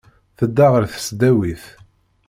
Tedda ɣer tesdawit.